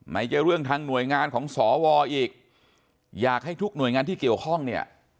จะเรื่องทางหน่วยงานของสวอีกอยากให้ทุกหน่วยงานที่เกี่ยวข้องเนี่ย